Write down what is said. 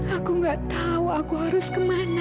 aku gak tahu aku harus kemana